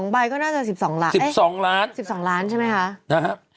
ใบก็น่าจะ๑๒ล้าน๑๒ล้าน๑๒ล้านใช่ไหมคะนะครับ